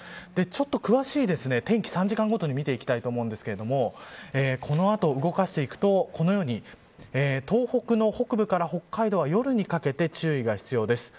ちょっと詳しい天気３時間ごとに見ていきたいと思うんですがこの後、動かしていくとこのように東北の北部から北海道は夜にかけて注意が必要です。